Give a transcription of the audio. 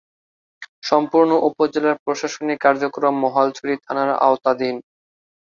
সম্পূর্ণ উপজেলার প্রশাসনিক কার্যক্রম মহালছড়ি থানার আওতাধীন।